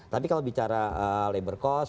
tapi kalau bicara labor cost